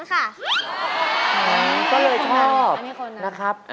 ก็เลยชอบนะครับอันนี้คนนั้นคนนั้นอันนี้คนนั้น